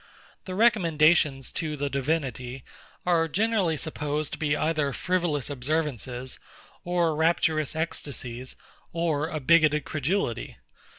The recommendations to the Divinity are generally supposed to be either frivolous observances, or rapturous ecstasies, or a bigoted credulity.